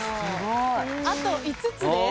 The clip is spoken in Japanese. あと５つです。